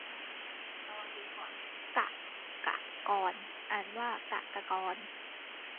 กกกร อ่านว่า กะกะกอน